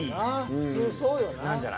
普通そうよな。